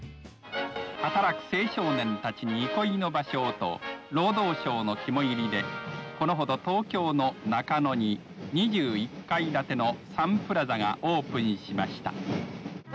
働く青少年たちに憩いの場所をと労働省の肝煎りでこのほど、東京の中野に２１階建てのサンプラザがオープンしました。